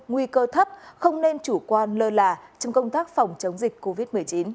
nguy cơ thấp không nên chủ quan lơ là trong công tác phòng chống dịch covid một mươi chín